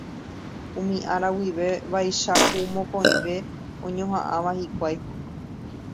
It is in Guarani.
Umi ára guive vaicháku mokõive oñoha'ãva hikuái